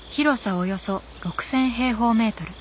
およそ６，０００平方メートル。